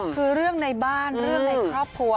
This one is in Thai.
คือเรื่องในบ้านเรื่องในครอบครัว